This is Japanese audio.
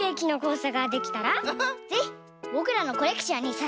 ぜひぼくらのコレクションにさせておくれ！